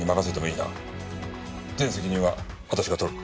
全責任は私が取る。